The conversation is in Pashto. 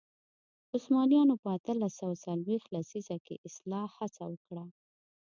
عثمانیانو په اتلس سوه څلوېښت لسیزه کې اصلاح هڅه وکړه.